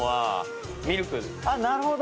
あなるほど。